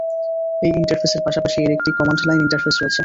এই ইন্টারফেসের পাশাপাশি এর একটি কমান্ড লাইন ইন্টারফেস রয়েছে।